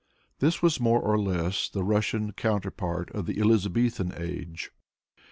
This was, more or less, the Rus sian counterpart of the Elizabethan Age.